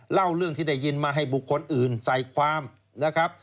เล่าเรื่องที่ได้ยินมาให้บุคคลอื่นใส่ความนะครับ